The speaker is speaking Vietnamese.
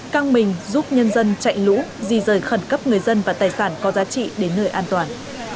căng mình giúp nhân dân chạy lũ di rời khẩn cấp người dân và tài sản có giá trị đến nơi an toàn